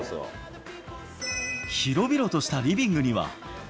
広々としたリビングには。